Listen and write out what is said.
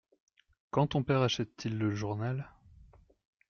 Quand ton père achète-t-il le journal ?